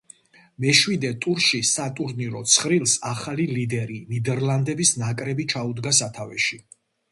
მეშვიდე ტურში სატურნირო ცხრილს ახალი ლიდერი, ნიდერლანდების ნაკრები, ჩაუდგა სათავეში.